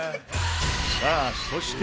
さあそして